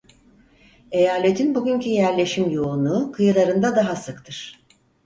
Eyaletin bugünkü yerleşim yoğunluğu kıyılarında daha sıktır.